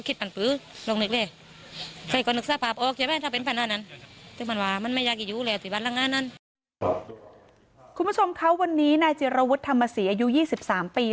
คุณผู้ชมเขาวันนี้นายเจรวุทธมศรีอายุ๒๓ปี